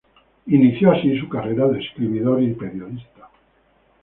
Inició así su carrera de escritor y periodista.